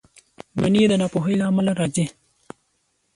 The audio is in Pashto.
• دښمني د ناپوهۍ له امله راځي.